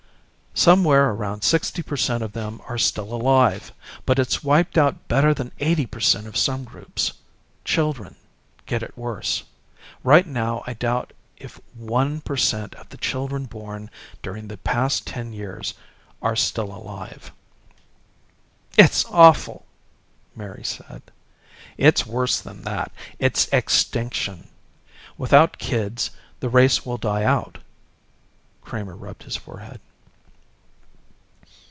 Somewhere around sixty per cent of them are still alive, but it's wiped out better than eighty per cent of some groups. Children get it worse. Right now I doubt if one per cent of the children born during the past ten years are still alive." "It's awful!" Mary said. "It's worse than that. It's extinction. Without kids the race will die out." Kramer rubbed his forehead.